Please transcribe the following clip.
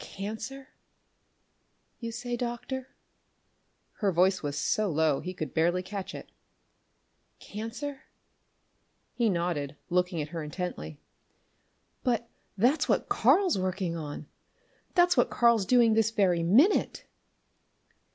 "Cancer you say, doctor?" her voice was so low he could barely catch it. "Cancer?" He nodded, looking at her intently. "But that's what Karl's working on! That's what Karl's doing this very minute!"